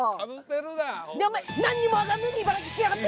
おめえ何にも分かんねえで茨城来やがって！